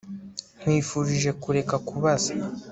Nkwifurije kureka kubaza